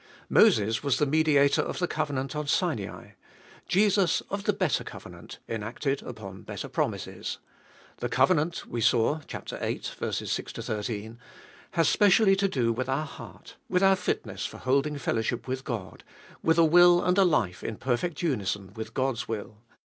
Moses was the mediator of the covenant on Sinai ; Jesus, of the better covenant, enacted upon better promises. The covenant, we saw (viii. 6 13), has specially to do with our heart, with our fitness for holding fellowship with God, with a will and a life in perfect unison with God's will.